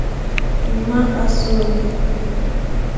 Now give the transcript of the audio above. Emma Asonye